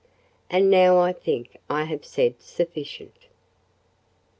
And now I think I have said sufficient.